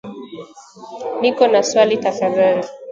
Niko na swali tafadhali